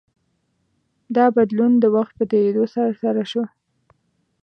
دا بدلون د وخت په تېرېدو ترسره شو.